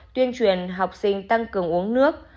tuyên truyền học sinh tăng cường uống nước